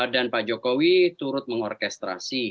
dan pak jokowi turut mengorkestrasi